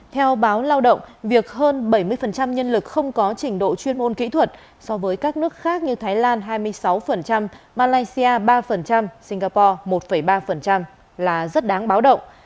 theo báo lao động việc hơn bảy mươi nhân lực không có trình độ chuyên môn kỹ thuật so với các nước khác như thái lan hai mươi sáu malaysia ba singapore một ba là rất đáng báo động